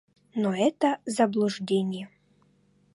Но это заблуждение.